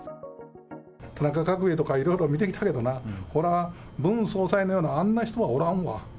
田中角栄とかいろいろ見てきたけどな、これは、ムン総裁のような、あんな人はおらんわ。